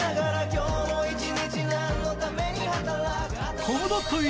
「今日も１日なんのために働く」